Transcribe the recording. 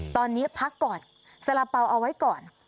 ตอนนี้พักก่อนสละเป๋าเอาไว้ก่อน